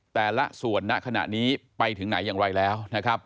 แต่ละส่วนณขณะนี้ไปถึงไหนอย่างไรแล้วนะครับ